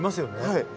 はい。